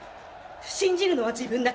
信じるのは自分だけ。